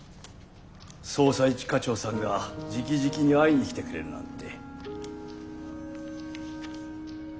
捜査一課長さんがじきじきに会いに来てくれるなんて。